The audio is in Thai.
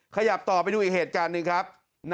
ขยับต่อไปดูอีกเหตุการณ์หนึ่งครับ